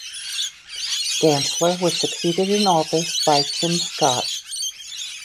Dantzler was succeeded in office by Tim Scott.